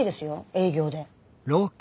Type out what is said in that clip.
営業で。